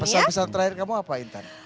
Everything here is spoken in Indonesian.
pesan pesan terakhir kamu apa intan